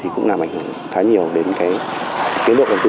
thì cũng làm ảnh hưởng khá nhiều đến tiến độ đầu tư